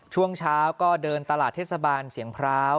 ช่วงเช้าก็เดินตลาดเทศบาลเสียงพร้าว